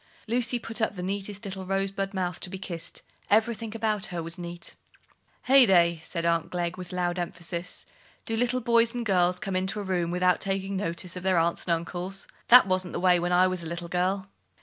Lucy put up the neatest little rosebud mouth to be kissed: everything about her was neat. "Heyday!" said Aunt Glegg, with loud emphasis. "Do little boys and girls come into a room without taking notice of their uncles and aunts? That wasn't the way when I was a little girl."